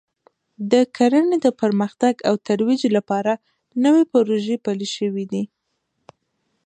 د کرنې د پرمختګ او ترویج لپاره نوې پروژې پلې شوې دي